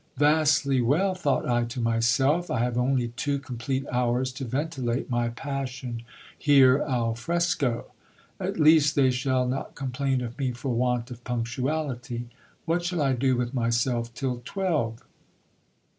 Vastly well, thought I to my self, I have only two complete hours to ventilate my passion here alfresco. At least they shall not complain of me for want of punctuality. What shall \ do with myself till twelve